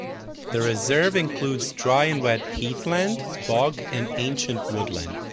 The reserve includes dry and wet heathland, bog and ancient woodland.